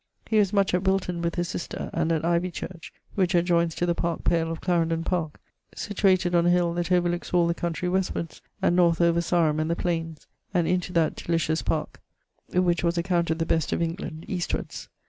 He was much at Wilton with his sister, and at Ivy church (which adjoyns to the parke pale of Clarindon Parke), situated on a hill that overlookes all the country westwards, and north over Sarum and the plaines, and into that delicious parke (which was accounted the best of England) eastwards.